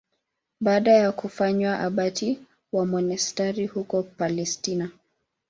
Baada ya kufanywa abati wa monasteri huko Palestina.